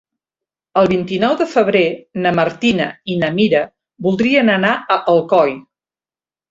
El vint-i-nou de febrer na Martina i na Mira voldrien anar a Alcoi.